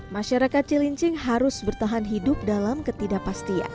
masyarakat cilincing harus bertahan hidup dalam ketidakpastian